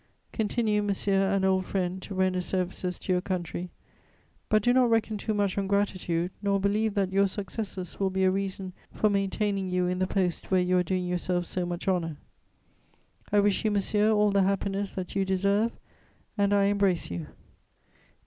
Continue, monsieur and old friend, to render services to your country, but do not reckon too much on gratitude, nor believe that your successes will be a reason for maintaining you in the post where you are doing yourself so much honour. "I wish you, monsieur, all the happiness that you deserve, and I embrace you.